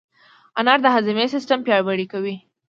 انار د هاضمې سیستم پیاوړی کوي.